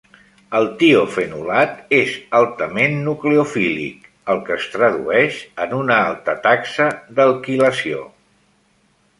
El tiofenolat és altament nucleofílic, el que es tradueix en una alta taxa d'alquilació.